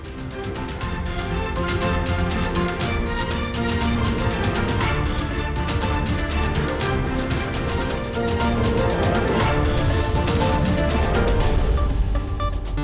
terima kasih terima kasih